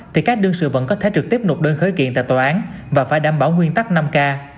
thì các đương sự vẫn có thể trực tiếp nộp đơn khởi kiện tại tòa án và phải đảm bảo nguyên tắc năm k